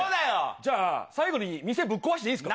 じゃあ、最後に店、ぶっ壊していいですか。